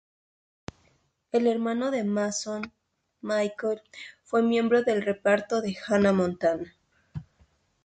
El hermano de Mason, Mitchel fue miembro del reparto de "Hannah Montana".